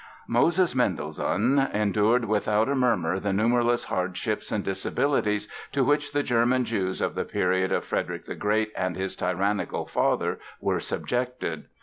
Moses Mendelssohn endured without a murmur the numberless hardships and disabilities to which the German Jews of the period of Frederick the Great and his tyrannical father were subjected.